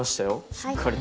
しっかりと。